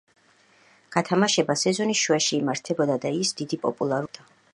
გათამაშება სეზონის შუაში იმართებოდა და ის დიდი პოპულარობით არასდროს სარგებლობდა.